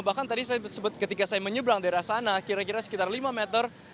bahkan tadi ketika saya menyebrang daerah sana kira kira sekitar lima meter